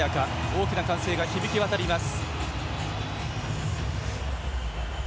大きな歓声が響き渡ります。